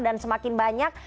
dan semakin banyak